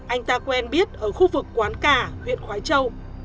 anh ta quen biết ở khu vực quán cà huyện khói châu